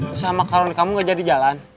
usaha makaroni kamu gak jadi jalan